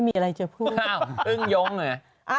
นี่แหละครับแหมมีการแพลนอย่างนี้ด้วยนะ